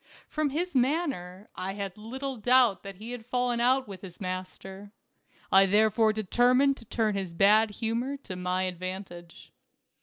From his manner, I had little doubt that he had fallen out with his 230 THE CARAVAN '. master. I therefore determined to turn his bad humor to my advantage.